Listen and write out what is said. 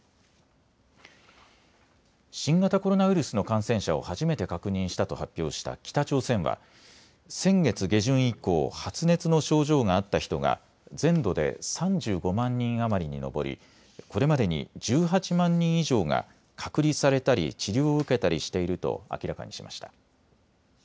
新型コロナウイルスの感染者を初めて確認したと発表した北朝鮮は先月下旬以降、発熱の症状があった人が全土で３５万人余りに上りこれまでに１８万人以上が隔離されたり治療を受けたりしていると明らかにしました。